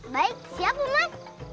baik siap pak man